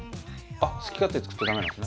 あっ好き勝手作っちゃダメなんですね？